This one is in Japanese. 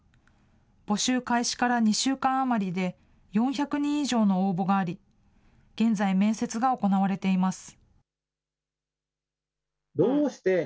募集開始から２週間余りで４００人以上の応募があり現在、面接が行われています。